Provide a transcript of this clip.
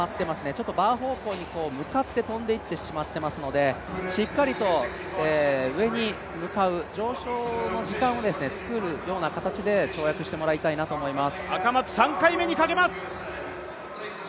ちょっとバー方向に向かって跳んでいってしまっていますので、しっかりと上に向かう、上昇の時間を作るような形で赤松３回目にかけます。